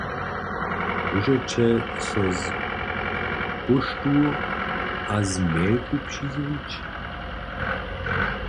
Móžeće so z póštu a z mejlku přizjewić.